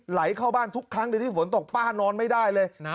ไหลเข้าบ้านทุกครั้งเดี๋ยวที่ฝนตกป้านอนไม่ได้เลยน้ำเน่าด้วย